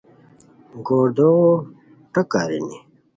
گوردوغو ٹک ارینی